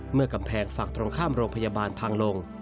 กำแพงฝั่งตรงข้ามโรงพยาบาลพังลง